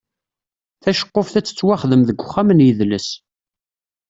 Taceqquft ad tettwaxdem deg uxxam n yidles.